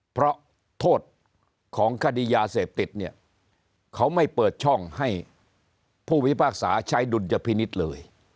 เพราะโทษของคดียาเสพติดเนี่ยเขาไม่เปิดช่องให้ผู้พิพากษาใช้ดุลยพินิษฐ์เลย